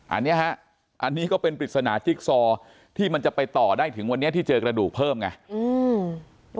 อันนี้ฮะอันนี้ก็เป็นปริศนาจิ๊กซอที่มันจะไปต่อได้ถึงวันนี้ที่เจอกระดูกเพิ่มไงอืม